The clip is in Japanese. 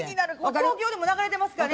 東京でも流れてますからね。